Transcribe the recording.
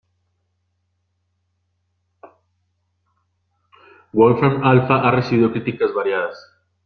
Wolfram Alpha ha recibido críticas variadas.